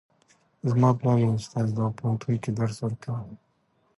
زما پلار یو استاد ده او په پوهنتون کې درس ورکوي